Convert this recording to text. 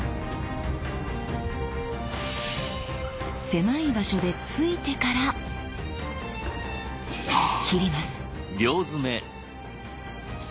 狭い場所で突いてから斬ります。